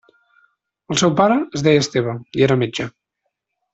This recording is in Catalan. El seu pare es deia Esteve i era metge.